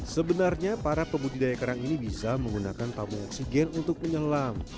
sebenarnya para pembudidaya kerang ini bisa menggunakan tabung oksigen untuk menyelam